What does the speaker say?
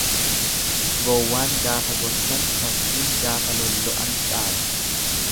Gowwaan gaafa gorsan tafkiin gaafa lolla'an caalu.